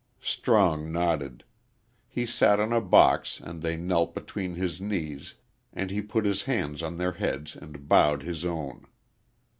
Strong nodded. He sat on a box and they knelt between his knees and he put his hands on their heads and bowed his own.